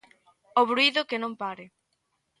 O bruído que non pare.